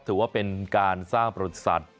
ถือว่าเป็นการสร้างประวัติศาสตร์